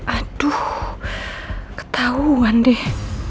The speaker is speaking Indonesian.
aduh ketauan deh